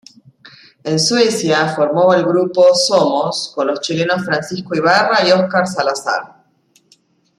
En Suecia formó el grupo Somos, con los chilenos Francisco Ibarra y Óscar Salazar.